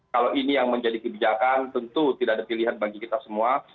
kalau ini yang menjadi kebijakan tentu tidak ada pilihan bagi kita semua